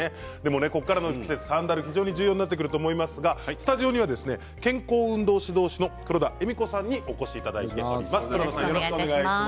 これからの季節はサンダルが重要になってくると思いますがスタジオには健康運動指導士の黒田恵美子さんにお越しいただいています。